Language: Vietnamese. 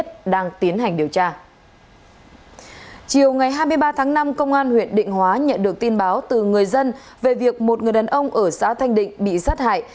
tháng ba tháng năm công an huyện định hóa nhận được tin báo từ người dân về việc một người đàn ông ở xã thanh định bị sát hại